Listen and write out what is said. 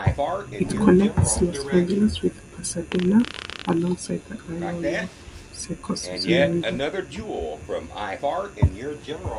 It connects Los Angeles with Pasadena alongside the Arroyo Seco seasonal river.